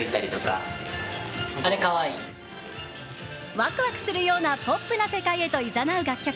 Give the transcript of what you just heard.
ワクワクするようなポップな世界へといざなう楽曲。